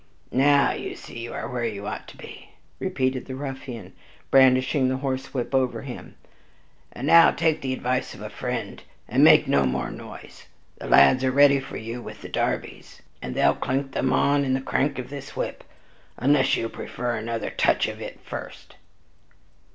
"Now you see you are where you ought to be," repeated the ruffian, brandishing the horsewhip over him, "and now take the advice of a friend, and make no more noise. The lads are ready for you with the darbies, and they'll clink them on in the crack of this whip, unless you prefer another touch of it first."